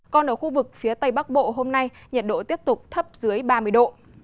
còn ở khu vực phía tây bắc bộ hôm nay nhiệt độ tiếp tục thấp dưới ba mươi độ